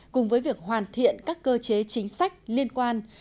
cùng với việc hoàn thiện các cơ chế chính sách liên quan